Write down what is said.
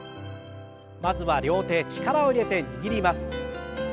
まずは両手力を入れて握ります。